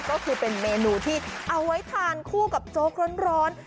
ก็คือเป็นเมนูที่เอาไว้ทานคู่กับโจ๊กร้อน